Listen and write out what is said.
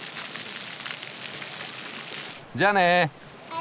じゃあね！